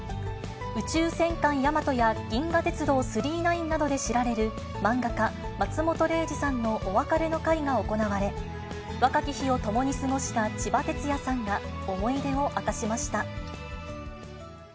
宇宙戦艦ヤマトや銀河鉄道９９９などで知られる、漫画家、松本零士さんのお別れの会が行われ、若き日を共に過ごしたちばてつやさんが思い出を明かしました。